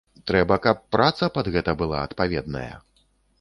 Трэба, каб праца пад гэта была адпаведная.